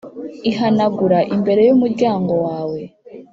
ihanagura imbere y'umuryango wawe.